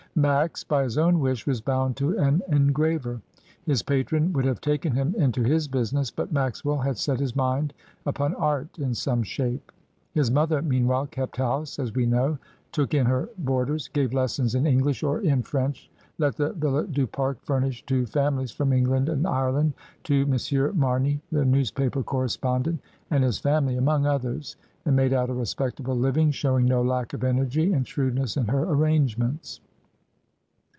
Max, by his own wish, was bound to an engraver. His patron would have taken him into his business, but Maxwell had set his mind upon art in some shape. His mother meanwhile kept house, as we know, took in her boarders, gave lessons in English or in MONSIEUR CARON'S fflSTORY OF SOCIALISM. 20I French, let the Villa du Pare furnished to families from England and Ireland, to Monsieur Marney, the newspaper correspondent, and his family among others, and made out a respectable living, showing no lack of energy and shrewdness in her arrange ments.